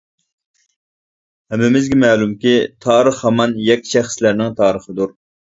ھەممىمىزگە مەلۇمكى تارىخ ھامان يەككە شەخسلەرنىڭ تارىخىدۇر.